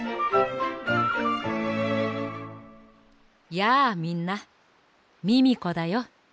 やあみんなミミコだよ。